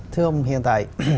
thưa ông hiện tại